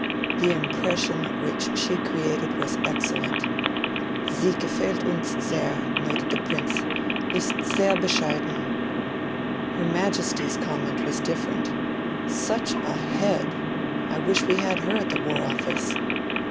The impression which she created was excellent. 'Sie gefallt uns sehr,' noted the Prince, 'ist sehr bescheiden.' Her Majesty's comment was different 'Such a HEAD! I wish we had her at the War Office.'